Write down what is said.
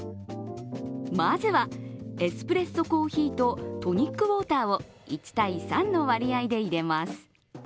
まずはエスプレッソコーヒーとトニックウォーターを１対３の割合で入れます。